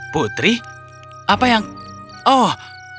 putri apa yang oh